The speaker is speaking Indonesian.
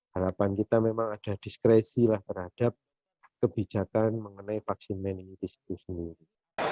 harapan kita memang ada diskresi lah terhadap kebijakan mengenai vaksin meningitis itu sendiri